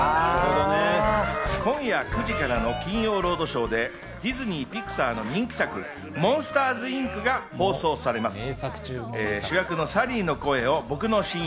今夜９時からの『金曜ロードショー』でディズニー・ピクサーの人気作『モンスターズ・インク』が放送されます。